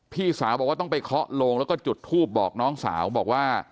พี่สาวบอกว่าต้องไปเคาะโลงแล้วก็จุดทูบบอกน้องสาวบอกว่า